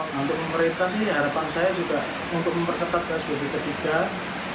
untuk merita sih harapan saya juga untuk memperketat gas bpp tiga